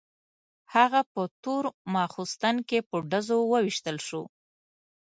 هغه په تور ماخستن کې په ډزو وویشتل شو.